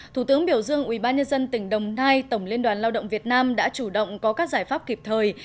thủ tướng biểu dương ubnd tỉnh đồng nai tổng liên đoàn lao động việt nam đã chủ động có các giải pháp kịp thời